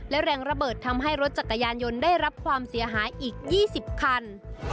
และแรงระเบิดทำให้รถจักรยานยนต์ได้รับความเสียหายอีก๒๐คัน